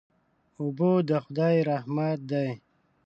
اوبه د خدای رحمت دی.